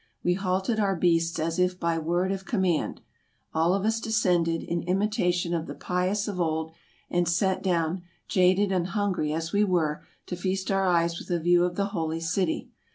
We halted our beasts as if by word of command. All of us descended, in imitation of the pious of old, and sat down, jaded and hungry as we were, to feast our eyes with a view of the Holy City.